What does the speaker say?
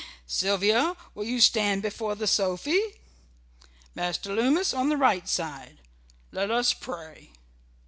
Sylvia, will you stand before the sophy? Master Lummis on the right side. Let us pray."